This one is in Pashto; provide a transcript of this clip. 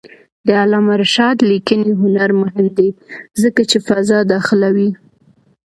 د علامه رشاد لیکنی هنر مهم دی ځکه چې فضا داخلوي.